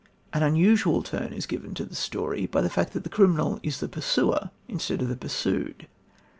An unusual turn is given to the story by the fact that the criminal is the pursuer instead of the pursued.